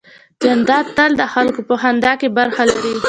جانداد تل د خلکو په خندا کې برخه لري.